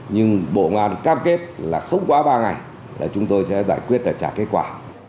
nhưng bộ ngoan cam kết là không quá ba ngày là chúng tôi sẽ giải quyết và trả kết quả